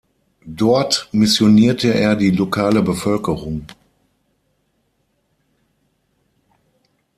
Dort missionierte er die lokale Bevölkerung.